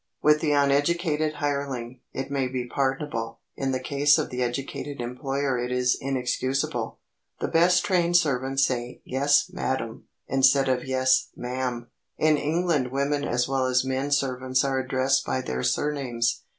With the uneducated hireling, it may be pardonable; in the case of the educated employer it is inexcusable. The best trained servants say "Yes, madam," instead of "Yes, ma'am." In England women as well as men servants are addressed by their surnames.